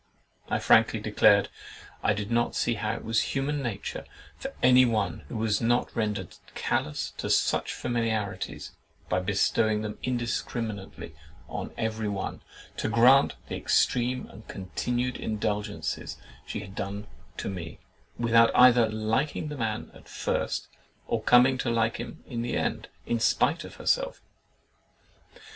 I frankly declared, "I did not see how it was in human nature for any one who was not rendered callous to such familiarities by bestowing them indiscriminately on every one, to grant the extreme and continued indulgences she had done to me, without either liking the man at first, or coming to like him in the end, in spite of herself.